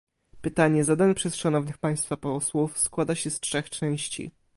Pytanie zadane przez szanownych państwa posłów składa się z trzech części